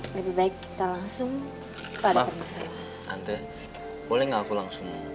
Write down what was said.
lebih baik kita langsung